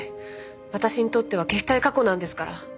私にとっては消したい過去なんですから。